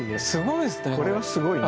これはすごいね。